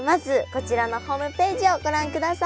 こちらのホームページをご覧ください。